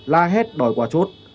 la hét đòi quà chốt